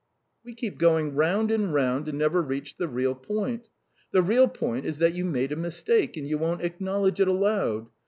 "We keep going round and round and never reach the real point. The real point is that you made a mistake, and you won't acknowledge it aloud.